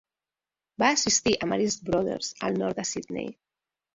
Va assistir a Marist Brothers, al nord de Sydney.